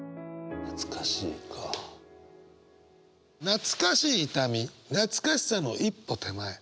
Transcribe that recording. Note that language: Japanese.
「なつかしい痛み」「懐かしさの一歩手前」。